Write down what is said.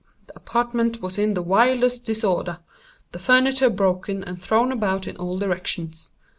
"The apartment was in the wildest disorder—the furniture broken and thrown about in all directions.